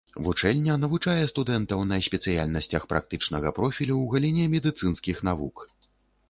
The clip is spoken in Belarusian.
Вучэльня навучае студэнтаў на спецыяльнасцях практычнага профілю ў галіне медыцынскіх навук.